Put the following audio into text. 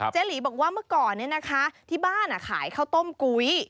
หลีบอกว่าเมื่อก่อนที่บ้านขายข้าวต้มกุ้ย